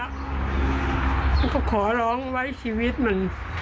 แล้วก็ขอร้องไว้ชีวิตมัน